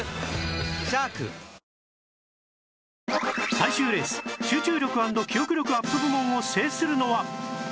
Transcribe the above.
最終レース集中力＆記憶力アップ部門を制するのは